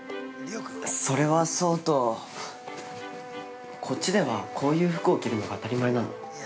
それはそうと、こっちではこういう服を着るのが当たり前なの？